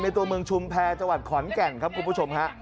ตัวเมืองชุมแพรจังหวัดขอนแก่นครับคุณผู้ชมฮะ